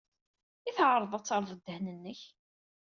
I tɛerḍed ad terred ddehn-nnek?